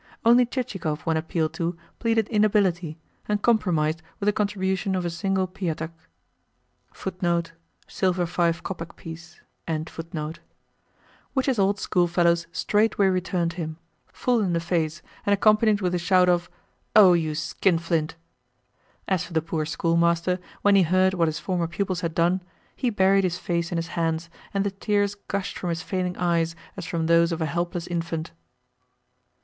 Only Chichikov, when appealed to, pleaded inability, and compromised with a contribution of a single piatak : which his old schoolfellows straightway returned him full in the face, and accompanied with a shout of "Oh, you skinflint!" As for the poor schoolmaster, when he heard what his former pupils had done, he buried his face in his hands, and the tears gushed from his failing eyes as from those of a helpless infant.